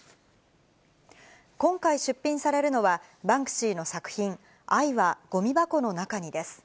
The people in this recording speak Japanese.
今回出品されるのは、バンクシーの作品、愛はごみ箱の中にです。